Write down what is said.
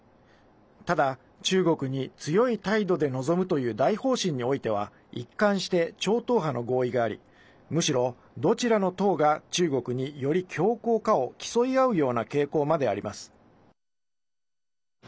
ただ中国に強い態度で臨むという大方針においては一貫して超党派の合意がありむしろ、どちらの党が中国に、より強硬かを競い合うような傾向まであります。